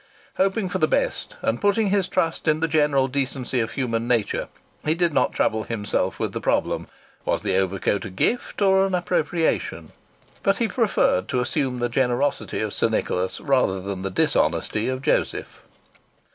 Hoping for the best, and putting his trust in the general decency of human nature, he did not trouble himself with the problem: was the overcoat a gift or an appropriation? But he preferred to assume the generosity of Sir Nicholas rather than the dishonesty of Joseph.